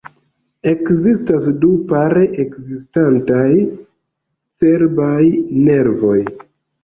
Ekzistas du pare ekzistantaj cerbaj nervoj.